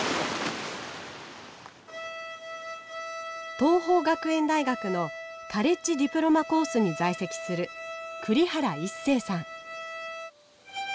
桐朋学園大学のカレッジ・ディプロマ・コースに在籍する栗原壱成さん。